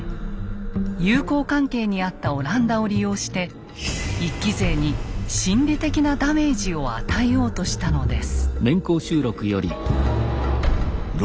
友好関係にあったオランダを利用して一揆勢に心理的なダメージを与えようとしたのです。